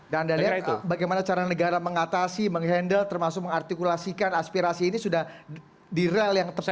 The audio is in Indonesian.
dan anda lihat bagaimana cara negara mengatasi menghandle termasuk mengartikulasikan aspirasi ini sudah di rel yang tepat